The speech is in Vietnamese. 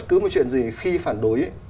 cứ một chuyện gì khi phản đối ấy